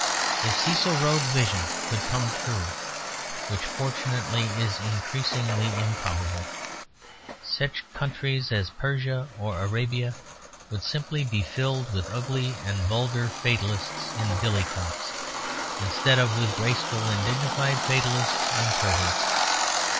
If Cecil Rhodes's vision could come true (which fortunately is increasingly improbable), such countries as Persia or Arabia would simply be filled with ugly and vulgar fatalists in billycocks, instead of with graceful and dignified fatalists in turbans.